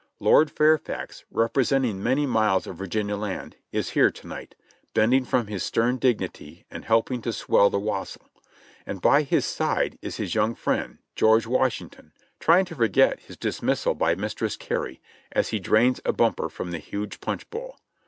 Lord Fairfax, representing many miles of Virginia land, is here to night, bending from his stern dignity and helping to swell the wassail, and by his side is his young friend, George Washington, trying to forget his dismissal by Mistress Gary, as he drains a bumper from the huge punch bowl.